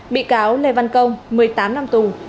bị cáo lê văn công một mươi tám năm tù